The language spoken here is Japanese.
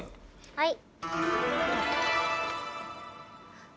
はい。